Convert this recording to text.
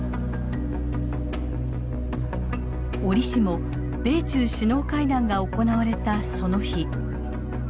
折しも米中首脳会談が行われたその日。